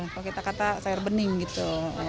kalau kita kata sayur bening gitu